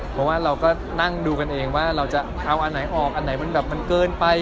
เพราะว่าเราก็นั่งดูกันเองว่าเราจะเอาอันไหนออกอันไหนมันแบบมันเกินไป